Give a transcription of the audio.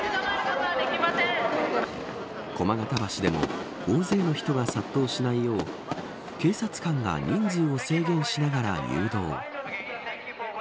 駒形橋でも大勢の人が殺到しないよう警察官が人数を制限しながら誘導。